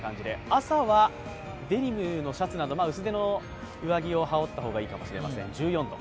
朝はデニムのシャツなど、上着を羽織った方がいいもかしれません、１４度。